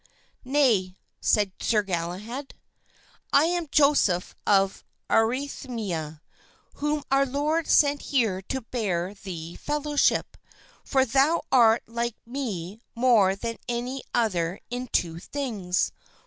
"Nay," said Sir Galahad. "I am Joseph of Arimathea, whom our Lord sent here to bear thee fellowship; for thou art like me more than any other in two things.